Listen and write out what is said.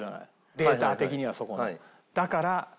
データ的にはそこの。